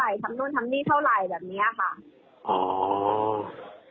และเขาก็เลยบอกว่าไอ้คนที่อยู่ข้างข้างมันมาถามทีมิตรกู